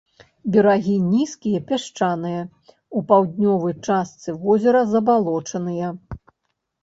Берагі нізкія, пясчаныя, у паўднёвай частцы возера забалочаныя.